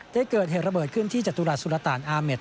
เกิดเหตุระเบิดขึ้นที่จตุรัสสุรตานอาเมด